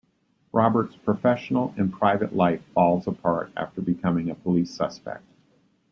Robert's professional and private life falls apart after becoming a police suspect.